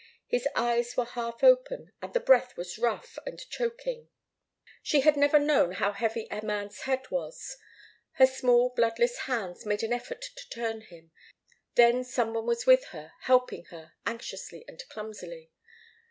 His eyes were half open, and the breath was rough and choking. She had never known how heavy a man's head was. Her small, bloodless hands made an effort to turn him then some one was with her, helping her, anxiously and clumsily.